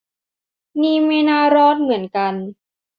นี่ไม่น่ารอดเหมือนกัน